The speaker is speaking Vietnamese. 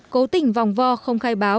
cố tình vòng vo không khai báo